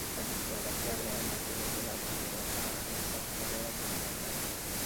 La discográfica Leader Music le dio la oportunidad para lanzar su carrera como cantante.